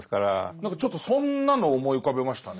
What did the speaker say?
何かちょっとそんなのを思い浮かべましたね。